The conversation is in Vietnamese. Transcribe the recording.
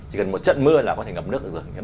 chỉ cần một trận mưa là có thể ngập nước được rồi